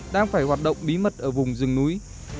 đang phải hoạt động bí mật ở vùng rừng núi